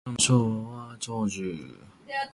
河南省の省都は鄭州